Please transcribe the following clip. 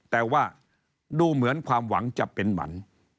แต่ว่าดูเหมือนความหวังจะเป็นหมัน